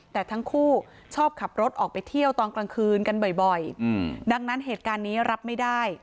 แต่ทั้งคู่ชอบขับรถออกไปเที่ยวตอนกลางคืนกันบ่อยดังนั้นเหตุการณ์นี้รับไม่ได้